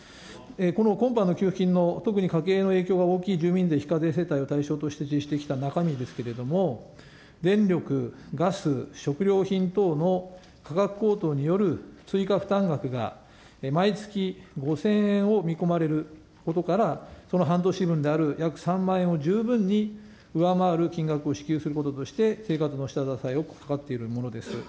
この今般の給付金の、特に家計への負担が大きい住民税非課税世帯への中身ですけれども、電力、ガス、食料品等の価格高騰による追加負担額が毎月５０００円を見込まれることから、その半年分である約３万円を十分に上回る金額を支給することとして生活の下支えを行っているものです。